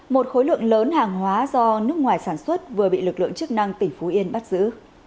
một khối lượng lớn hàng hóa do nước ngoài sản xuất vừa bị lực lượng chức năng tỉnh phú yên bắt giữ